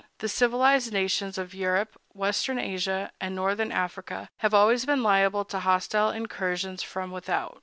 The civilized nations of Europe, western Asia, and northern Africa have always been liable to hostile incursions from without.